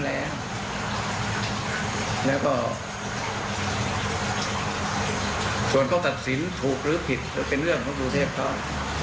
แล้วก็ส่วนเขาตัดสินถูกหรือผิดเป็นเรื่องของกรุงเทพเขา